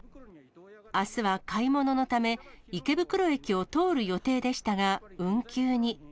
あすは買い物のため、池袋駅を通る予定でしたが、運休に。